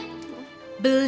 nah kita panggil